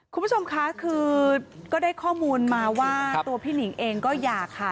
คุณผู้ชมคะคือก็ได้ข้อมูลมาว่าตัวพี่หนิงเองก็อยากค่ะ